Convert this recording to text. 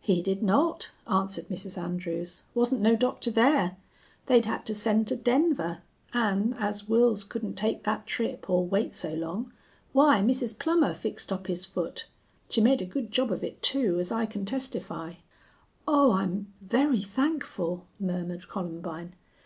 "He did not," answered Mrs. Andrews. "Wasn't no doctor there. They'd had to send to Denver, an', as Wils couldn't take that trip or wait so long, why, Mrs. Plummer fixed up his foot. She made a good job of it, too, as I can testify." "Oh, I'm very thankful!" murmured Columbine.